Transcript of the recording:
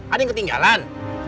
ada yang ketinggalan